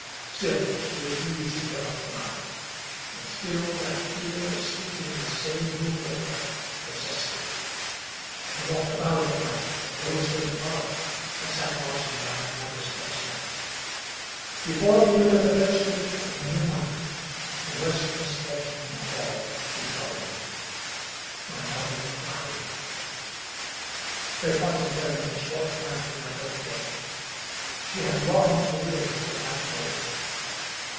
Still she refused to give up the knife ; and still that fear of sleeping in the same room with her possessed me. I walked about at night, or dozed in the parlor, or sat watching by my mother's bedside. Be fore the end of the first week in the new month, the worst misfortune of all befell me — ^my mother died. It wanted then but a short time to my birthday. She had longed to live till that day.